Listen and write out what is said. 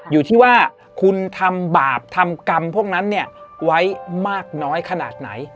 อยู่ที่ว่าคุณทำบาปทำกรรมพวกนั้นไว้มากน้อยขนาดไหน